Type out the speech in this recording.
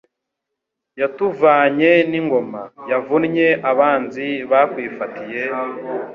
Yatuvanye n'ingoma, Yavunnye abanzi bakwifatiye,